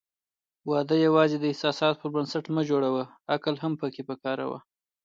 واده یوازې د احساساتو پر بنسټ مه جوړوه، عقل هم پکې وکاروه.